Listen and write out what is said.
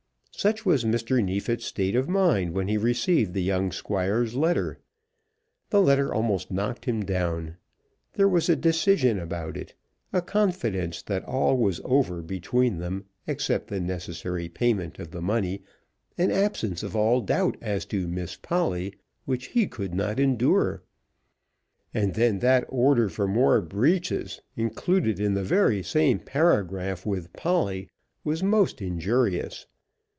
Such was Mr. Neefit's state of mind when he received the young Squire's letter. The letter almost knocked him down. There was a decision about it, a confidence that all was over between them except the necessary payment of the money, an absence of all doubt as to "Miss Polly," which he could not endure. And then that order for more breeches, included in the very same paragraph with Polly, was most injurious.